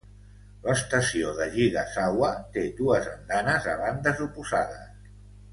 L'estació d'Ajigasawa té dues andanes a bandes oposades.